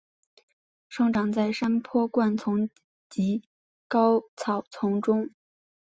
生长在山坡灌丛及高草丛中。